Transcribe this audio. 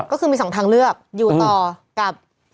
ก็คือมีสองทางเลือกอยู่ต่อกับ